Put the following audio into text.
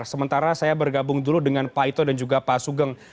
sementara saya bergabung dulu dengan pak ito dan juga pak sugeng